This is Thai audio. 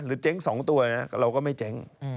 ถ้าเจ๊งสองตัวเราก็ไม่เจ๊งก์